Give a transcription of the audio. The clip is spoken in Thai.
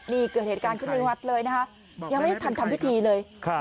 นี่เกิดเหตุการณ์ขึ้นในวัดเลยนะคะยังไม่ได้ทันทำพิธีเลย